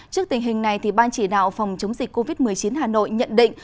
trước tình hình này ban chỉ đạo phòng chống dịch covid một mươi chín hà nội nhận định